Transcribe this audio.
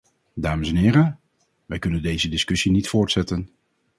Dames en heren, wij kunnen deze discussie niet voortzetten.